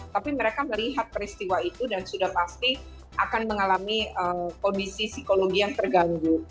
tapi mereka melihat peristiwa itu dan sudah pasti akan mengalami kondisi psikologi yang terganggu